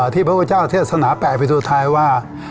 ที่พระพุทธเจ้าเทศสนา๘ปีที่สุดท้ายว่า